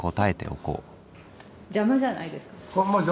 邪魔じゃないですか？